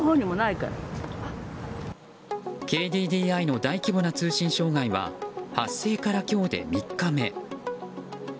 ＫＤＤＩの大規模な通信障害は発生から今日で３日目。